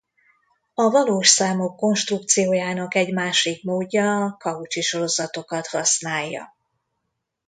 A valós számok konstrukciójának egy másik módja a Cauchy-sorozatokat használja.